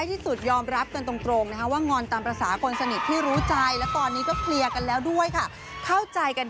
ทุกคนหายห่วงได้เลยนะคะ